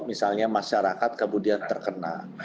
misalnya masyarakat kemudian terkena